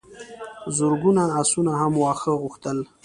زرګونو آسونو هم واښه غوښتل.